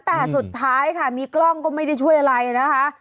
แต่สุดท้ายค่ะมีกล้องก็ไม่ได้ช่วยอะไรนะคะ